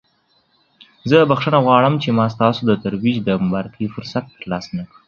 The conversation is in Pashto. زه بخښنه غواړم چې ما ستاسو د ترویج د مبارکۍ فرصت ترلاسه نکړ.